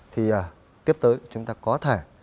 thì tiếp tới chúng ta có thể